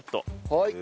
はい。